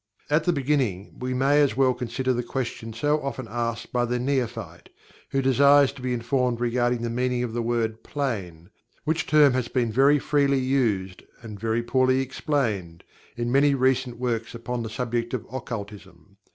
At the beginning we may as well consider the question so often asked by the neophyte, who desires to be informed regarding the meaning of the word "Plane", which term has been very freely used, and very poorly explained, in many recent works upon the subject of occultism.